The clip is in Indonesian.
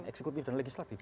eksekutif dan legislatif